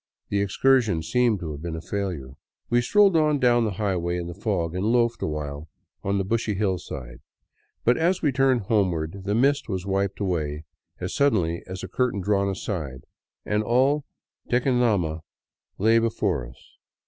The excursion seemed to have been a failure. We strolled on down the highway in the fog and loafed awhile on a bushy hillside. But as we turned homeward, the mist was vviped away as suddenly as a curtain drawn aside and all Tequendama lay before us.